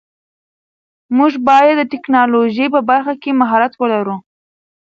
موږ باید د ټیکنالوژۍ په برخه کې مهارت ولرو.